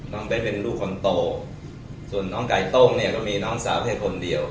เบ้นเป็นลูกคนโตส่วนน้องไก่ต้มเนี่ยก็มีน้องสาวแค่คนเดียว